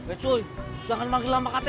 eh cuy jangan lagi lambat ktp aku dong